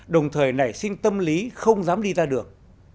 đồng thời nảy sinh tâm lý không dám đi ra được